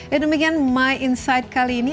ya demikian my insight kali ini